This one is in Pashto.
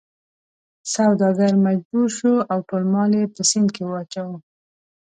سوداګر مجبور شو او ټول مال یې په سیند کې واچاوه.